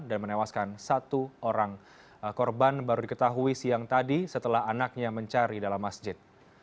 dan menewaskan satu orang korban baru diketahui siang tadi setelah anaknya mencari dalam masjid